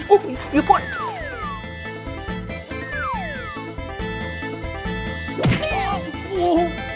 อุ๊ยอยู่ข้น